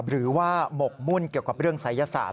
หรือว่าหมกมุ่นเกี่ยวกับเรื่องศัยศาสตร์